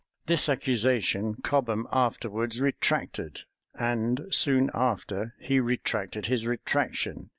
This accusation Cobham afterwards retracted; and, soon after, he retracted his retractation.